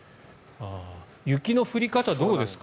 雪の降り方はどうなんですか？